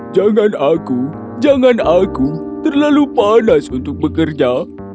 jangan aku jangan aku terlalu panas untuk bekerja